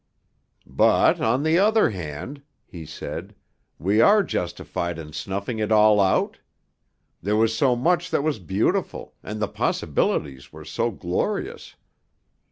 "But, on the other hand," he said, "are we justified in snuffing it all out? There was so much that was beautiful, and the possibilities were so glorious!